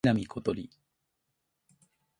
南ことり